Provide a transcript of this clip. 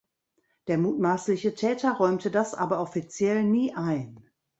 Der mutmaßliche Täter räumte das aber offiziell nie ein.